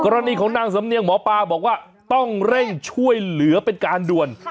รณีของนางสำเนียงหมอปลาบอกว่าต้องเร่งช่วยเหลือเป็นการด่วน